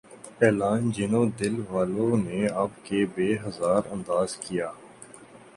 اعلان جنوں دل والوں نے اب کے بہ ہزار انداز کیا